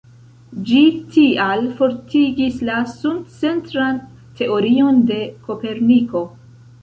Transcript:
Ĝi tial fortigis la sun-centran teorion de Koperniko.